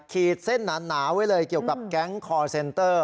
ขีดเส้นหนาไว้เลยเกี่ยวกับแก๊งคอร์เซนเตอร์